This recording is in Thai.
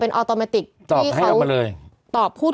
เพื่อไม่ให้เชื้อมันกระจายหรือว่าขยายตัวเพิ่มมากขึ้น